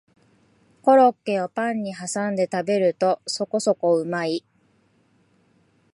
コロッケをパンにはさんで食べるとそこそこうまい